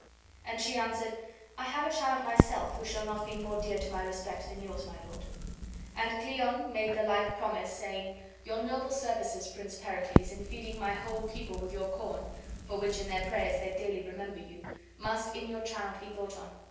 And she answered, "I have a child myself who shall not be more dear to my respect than yours, my lord." And Cleon made the like promise, saying: "Your noble services, Prince Pericles, in feeding my whole people with your corn (for which in their prayers they daily remember you) must in your child be thought on.